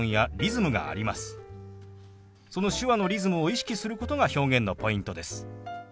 その手話のリズムを意識することが表現のポイントです。